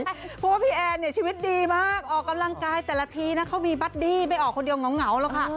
เพราะว่าพี่แอนเนี่ยชีวิตดีมากออกกำลังกายแต่ละทีนะเขามีบัดดี้ไม่ออกคนเดียวเหงาหรอกค่ะ